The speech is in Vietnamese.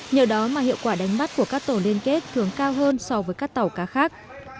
nhờ đó mà hiệu quả đánh bắt của các tổ liên kết thường cao hơn so với các tàu cá khác